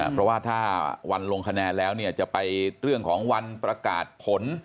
เพราะว่าถ้าวันลงคะแนนแล้วจะไปเรื่องของวันประกาศผล